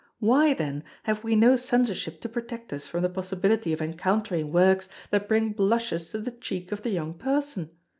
Why, then, have we no Censorship to protect us from the possibility of encountering works that bring blushes to the cheek of the young person?